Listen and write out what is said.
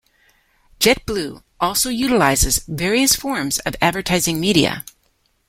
JetBlue also utilizes various forms of advertising media.